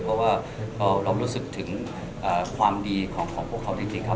เพราะว่าเรารู้สึกถึงความดีของพวกเขาจริงครับ